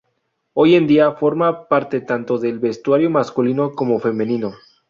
Hoy en día, forma parte tanto del vestuario masculino como femenino.